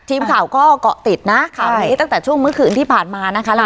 ทีมข่าวก็เกาะติดนะข่าวนี้ตั้งแต่ช่วงเมื่อคืนที่ผ่านมานะคะ